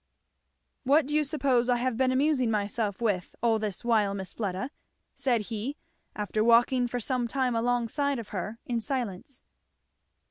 "What do you suppose I have been amusing myself with all this while, Miss Fleda?" said he, after walking for some time alongside of her in silence.